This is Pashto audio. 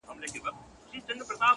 پرمختګ له دوامداره سمون پیلېږي.!